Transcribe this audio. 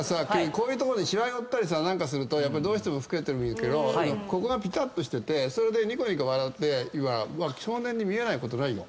こういうとこにしわ寄ったりさ何かするとやっぱりどうしても老けて見えるけどここがぴたっとしててそれでにこにこ笑って少年に見えないことないよ。